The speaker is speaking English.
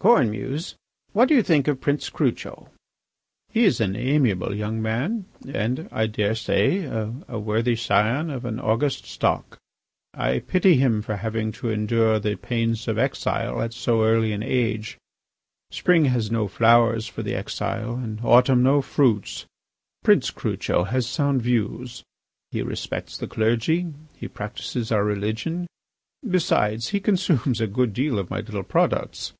"Cornemuse, what do you think of Prince Crucho?" "He is an amiable young man and, I dare say, a worthy scion of an august stock. I pity him for having to endure the pains of exile at so early an age. Spring has no flowers for the exile, and autumn no fruits. Prince Crucho has sound views; he respects the clergy; he practises our religion; besides, he consumes a good deal of my little products."